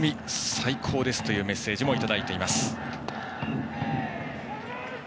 最高ですというメッセージもいただいています。